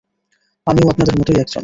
আমিও আপনাদের মতোই একজন।